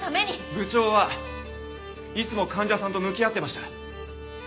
部長はいつも患者さんと向き合ってました。